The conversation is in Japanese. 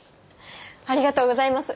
ありがとうございます。